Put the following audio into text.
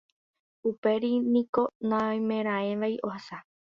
Upérupi niko naoimeraẽvai ohasa.